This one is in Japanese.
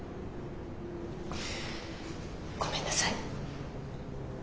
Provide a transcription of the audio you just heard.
ごめんなさい。